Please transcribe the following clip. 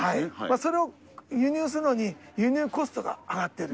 それを輸入するのに輸入コストが上がっている。